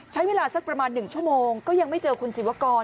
ใช้เวลาสักประมาณ๑ชั่วโมงก็ยังไม่เจอคุณศิวกร